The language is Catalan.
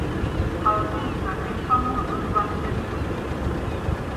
Alguns d'aquests famosos van ser escollits.